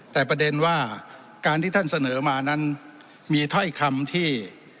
แต่ประเด็นว่าการที่ท่านเสนอมานั้นมีถ้อยคำที่